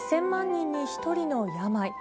１０００万人に１人の病。